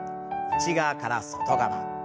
内側から外側。